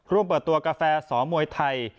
ร่วมเปิดตัวกาแฟสมวยไทย